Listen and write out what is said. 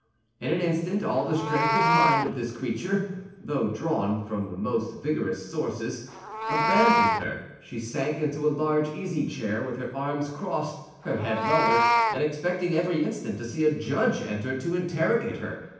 In an instant all the strength of mind of this creature, though drawn from the most vigorous sources, abandoned her; she sank into a large easy chair, with her arms crossed, her head lowered, and expecting every instant to see a judge enter to interrogate her.